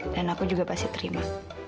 aku juga pasti terima